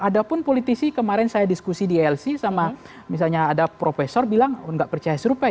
ada pun politisi kemarin saya diskusi di lc sama misalnya ada profesor bilang nggak percaya survei